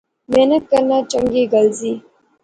محنت کرنا چنگی گل زی